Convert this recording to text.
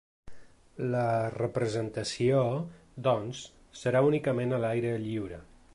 La representació, doncs, serà únicament a l’aire lliure.